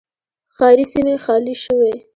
ښاري سیمې خالي شوې.